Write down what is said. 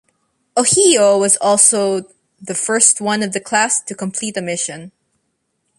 "Ohio" was also the first one of the class to complete a mission.